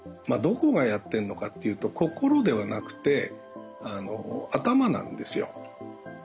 どこがやってんのかというと心ではなくて頭なんですよ。